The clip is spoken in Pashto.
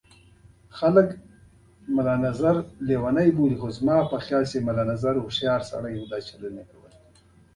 یو کس چې نورګرام کې يې د خلکو مالونه په ماهرانه شکل غلا کول